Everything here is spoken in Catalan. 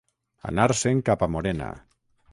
Anar-se'n cap a Morena.